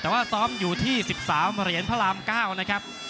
แต่ว่าซ้อมอยู่ที่๑๓เหรียญพระราม๙นะครับ